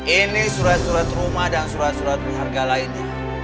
ini surat surat rumah dan surat surat berharga lainnya